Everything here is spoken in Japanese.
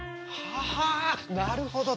ははあなるほど！